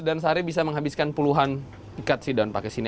dan sehari bisa menghabiskan puluhan ikat si daun pakis ini